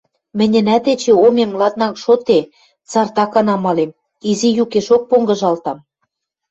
Мӹньӹнӓт эче омем ладнанг шоде, цартакан амалем, изи юкешок понгыжалтам.